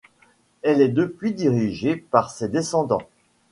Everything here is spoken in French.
Elle est depuis dirigée par ses descendants.